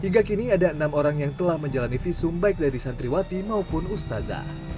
hingga kini ada enam orang yang telah menjalani visum baik dari santriwati maupun ustazah